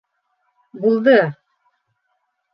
Булды?!